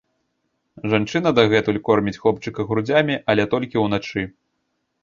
Жанчына дагэтуль корміць хлопчыка грудзямі, але толькі ўначы.